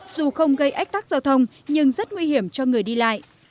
dù không gây ách tắc giao thông nhưng rất nguy hiểm cho người đi lại